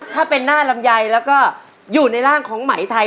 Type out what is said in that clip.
ถ้าเป็นหน้าลำไยแล้วก็อยู่ในร่างของไหมไทย